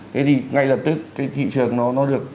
thế thì ngay lập tức thị trường nó được